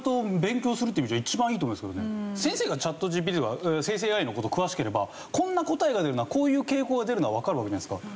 先生がＣｈａｔＧＰＴ生成ＡＩの事詳しければこんな答えが出るなこういう傾向が出るのはわかるわけじゃないですか。